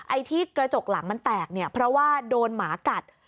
ไอ้ที่กระจกหลังมันแตกเนี่ยเพราะว่าโดนหมากัด